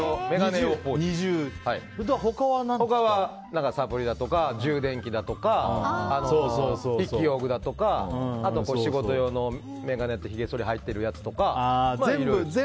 他はサプリだとか充電器だとか、筆記用具だとかあと、仕事用の眼鏡とひげそり入ってるやつとか。